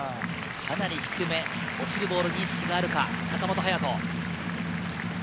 かなり低め、落ちるボールに意識があるか、坂本勇人。